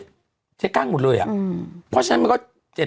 แทนจะจะกล้างหมดเลยอ่ะอืมเพราะฉะนั้นมันก็เจ็ด